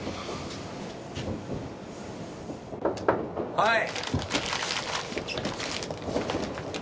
はい。